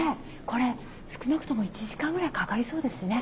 これ少なくとも１時間ぐらいかかりそうですしね。